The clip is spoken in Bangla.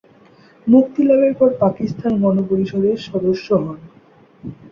মুক্তিলাভের পর পাকিস্তান গণপরিষদের সদস্য হন।